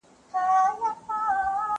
زه مخکي خبري کړې وې!!